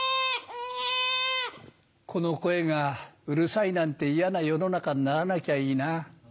この声がうるさいなんて嫌な世の中にならなきゃいいな。